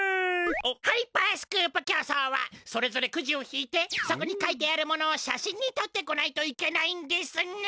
ハイパースクープ競走はそれぞれクジを引いてそこに書いてあるものを写真にとってこないといけないんですね。